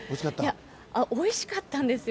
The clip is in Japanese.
おいしかったんですよ。